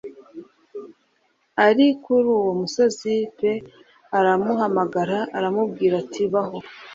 ari kuri uwo musozi p aramuhamagara aramubwira ati baho